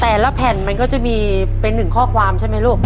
แต่ละแผ่นมันก็จะมีเป็นหนึ่งข้อความใช่ไหมลูก